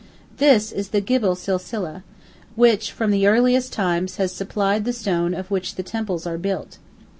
This is the Gibel Silsileh, which from the earliest times has supplied the stone of which the temples are built.